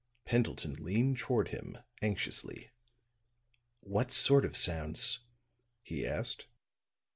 Pendleton leaned toward him, anxiously. "What sort of sounds?" he asked.